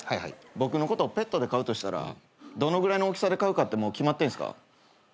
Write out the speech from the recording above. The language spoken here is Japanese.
僕のことをペットで飼うとしたらどのぐらいの大きさで飼うかってもう決まってんすか？